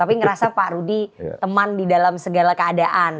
tapi ngerasa pak rudy teman di dalam segala keadaan